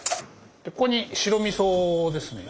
ここに白みそですね。